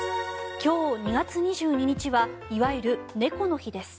今日２月２２日はいわゆる猫の日です。